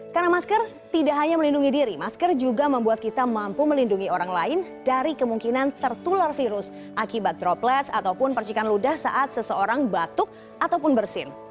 karena masker tidak hanya melindungi diri masker juga membuat kita mampu melindungi orang lain dari kemungkinan tertular virus akibat droplets ataupun percikan ludah saat seseorang batuk ataupun bersin